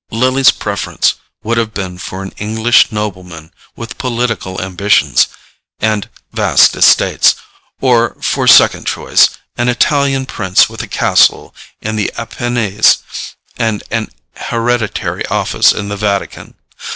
Lily's preference would have been for an English nobleman with political ambitions and vast estates; or, for second choice, an Italian prince with a castle in the Apennines and an hereditary office in the Vatican.